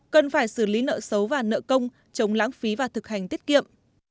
cần phải xử lý nợ xấu và nợ công chống lãng phí và thực hành tiết kiệm